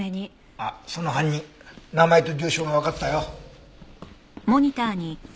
あっその犯人名前と住所がわかったよ。